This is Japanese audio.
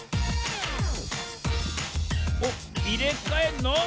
おっいれかえんの？